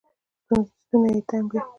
ستونی یې تنګ دی